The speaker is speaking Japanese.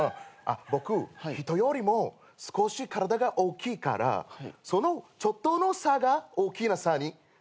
あっ僕人よりも少し体が大きいからそのちょっとの差が大きな差に。